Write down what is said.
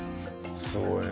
すごいね。